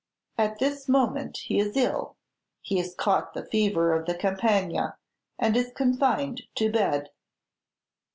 At this moment he is ill; he has caught the fever of the Campagna, and is confined to bed."